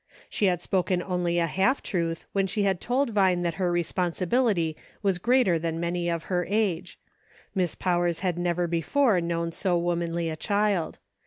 She had spoken only a half truth when she had told Vine that her responsibility was greater than many of her age. Miss Powers had never before known so womanly a child.